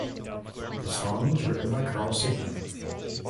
The song was written by Carl Sigman.